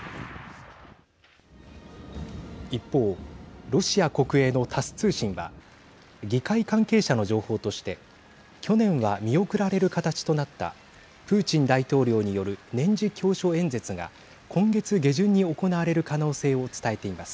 一方、ロシア国営のタス通信は議会関係者の情報として去年は見送られる形となったプーチン大統領による年次教書演説が今月下旬に行われる可能性を伝えています。